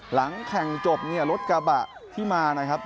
หลังแข่งจบเนี่ยรถกระบะที่มานะครับ